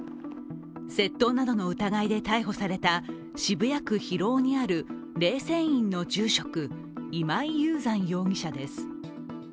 窃盗などの疑いで逮捕された渋谷区広尾にある霊泉院の住職、今井雄山容疑者です